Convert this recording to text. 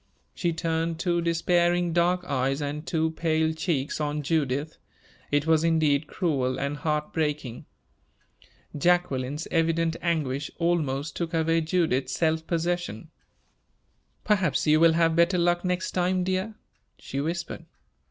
She turned two despairing dark eyes and two pale cheeks on Judith. It was indeed cruel and heart breaking. Jacqueline's evident anguish almost took away Judith's self possession. "Perhaps you will have better luck next time, dear," she whispered.